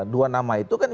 dua nama itu kan